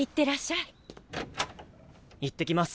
いってきます。